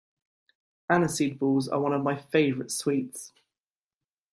Aniseed balls are one of my favourite sweets